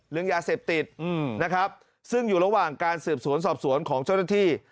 เรื่องยาเสพติดนะครับซึ่งอยู่ระหว่างการสืบสวนสอบสวนของเจ้าหน้าที่